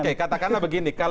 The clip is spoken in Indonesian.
oke katakanlah begini